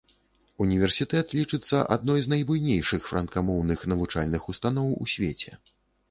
Універсітэт лічыцца адной з найбуйнейшых франкамоўных навучальных устаноў у свеце.